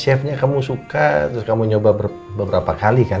chefnya kamu suka terus kamu nyoba beberapa kali kan